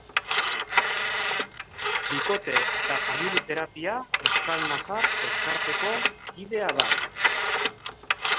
Bikote eta Famili Terapia Euskal-Nafar Elkarteko kidea da.